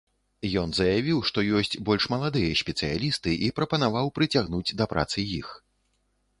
Ён заявіў, што ёсць больш маладыя спецыялісты, і прапанаваў прыцягнуць да працы іх.